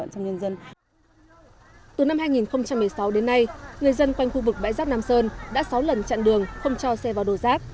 từ năm hai nghìn một mươi sáu đến nay người dân quanh khu vực bãi rác nam sơn đã sáu lần chặn đường không cho xe vào đồ rác